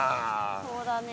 そうだね。